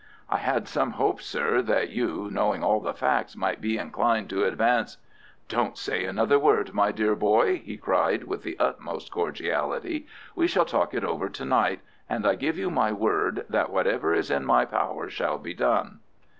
"I had some hopes, sir, that you, knowing all the facts, might be inclined to advance——" "Don't say another word, my dear boy," he cried, with the utmost cordiality; "we shall talk it over to night, and I give you my word that whatever is in my power shall be done."